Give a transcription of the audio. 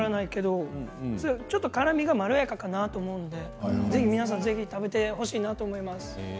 ちょっと辛みがまろやかかなと思うので、ぜひ皆さんに食べてほしいなと思います。